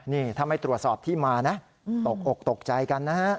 นี่ถ้าไม่ตรวจสอบที่มานะตกอกตกใจกันนะฮะ